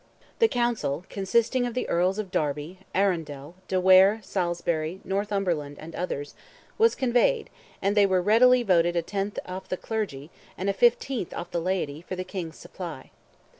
The council, consisting of the Earls of Derby, Arundel, de Ware, Salisbury, Northumberland, and others, was convened, and they "readily voted a tenth off the clergy, and a fifteenth off the laity, for the King's supply."